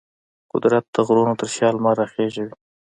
قدرت د غرونو تر شا لمر راخیژوي.